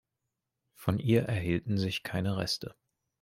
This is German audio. Von ihr erhielten sich keine Reste.